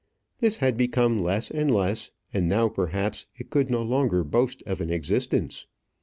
This had become less and less, and now, perhaps, it could no longer boast of an existence.